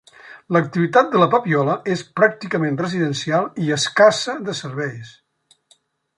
L'activitat de La Papiola és pràcticament residencial i escassa de serveis.